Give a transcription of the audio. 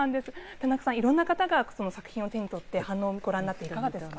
田中さん、いろんな方が作品を手に取って反応、ご覧になっていかがですか。